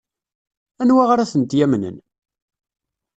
Anwa ara tent-yamnen?